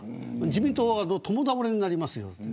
自民党は共倒れになりますよ。